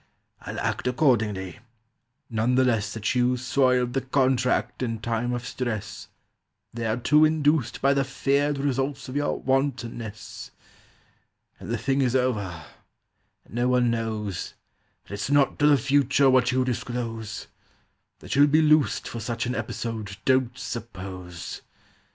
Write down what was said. "I'll act accordingly, none the less That you soiled the contract in time of stress, Thereto induced By the feared results of your wantonness. "But the thing is over, and no one knows, And it's nought to the future what you disclose. That you'll be loosed For such an episode, don't suppose!